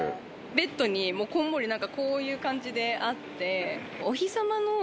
ベッドにこんもりこういう感じであって。